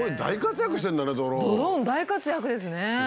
ドローン大活躍ですね。